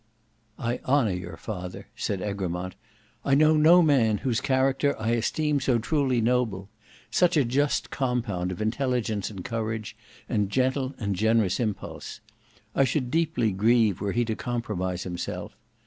"I honor your father," said Egremont, "I know no man whose character I esteem so truly noble; such a just compound of intelligence and courage, and gentle and generous impulse. I should deeply grieve were he to compromise himself.